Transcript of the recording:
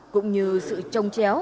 cũng như sự trông chéo